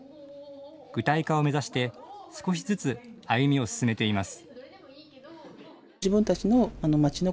具体化を目指して少しずつ歩みを進めています。